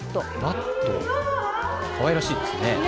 かわいらしいですね。